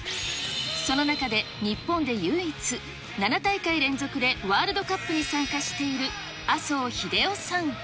その中で日本で唯一、７大会連続でワールドカップに参加している、麻生英雄さん。